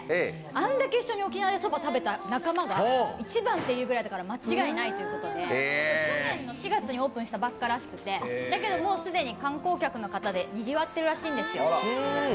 あんだけ一緒に沖縄そば食べた仲間が一番と言うぐらいだから間違いないということで、去年４月にオープンしたばっかりらしくて既に観光客の方でにぎわってるみたいなんですよ。